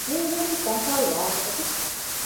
މި އިވެނީ ކޮން ކަހަލަ ވާހަކަތަކެއް؟